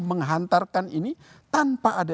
menghantarkan ini tanpa ada